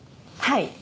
はい。